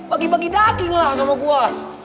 bagi bagi daging lah sama gua